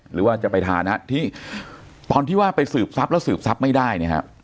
หรือว่าจะไปทานฮะที่ตอนที่ว่าไปสืบทรัพย์แล้วสืบทรัพย์ไม่ได้เนี่ยฮะ